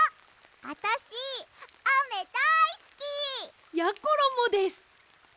あたしあめだいすき！やころもです！